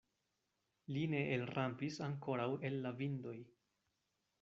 Li ne elrampis ankoraŭ el la vindoj.